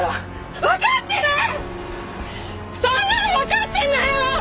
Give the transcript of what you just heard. そんなのわかってんのよ！